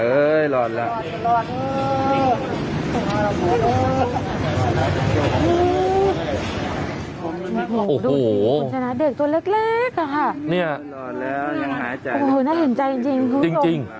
โอ้โฮน่าหินใจจริง